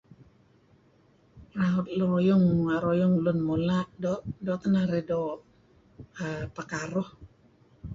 [unintelligible] ruyung ngeruyum lun mula' doo' teh narih doo' pekaruh.